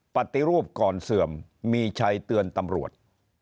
ปฏิรูปก่อนเสื่อมมีชัยเตือนตำรวจ